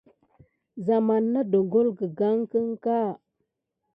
Zamane nà ɗongole gəlgane kiyan kā.